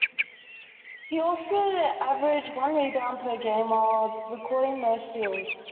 He also averaged one rebound per game while recording no steals.